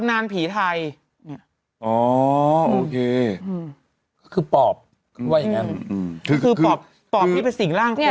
อันนี้คือบุริรำ